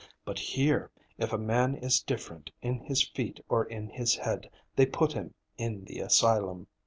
But here, if a man is different in his feet or in his head, they put him in the asylum.